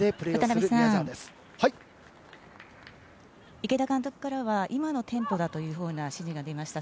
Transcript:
渡辺さん、池田監督からは今のテンポだという指示が出ました。